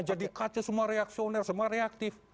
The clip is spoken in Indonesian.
jadi kaca semua reaksioner semua reaktif